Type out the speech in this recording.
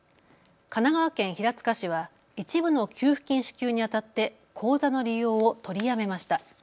神奈川県平塚市は一部の給付金支給にあたって口座の利用を取りやめました。